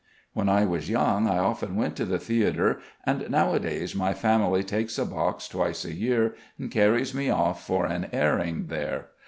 When I was young I often went to the theatre, and nowadays my family takes a box twice a year and carries me off for an airing there.